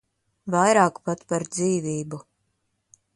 Vairāk pat par dzīvību.